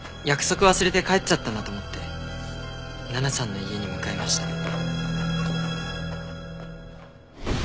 約束忘れて帰っちゃったんだと思って奈々さんの家に向かいました。